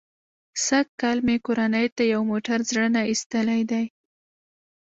سږ کال مې کورنۍ ته یو موټر زړه نه ایستلی دی.